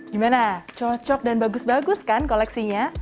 gimana cocok dan bagus bagus kan koleksinya